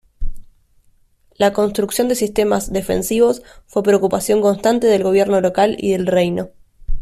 La construcción de sistemas defensivos fue preocupación constante del gobierno local y del reino.